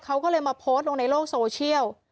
เขาก็เลยมาโพสต์ลงในโลกโซเชียล